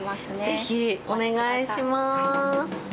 ぜひ、お願いします。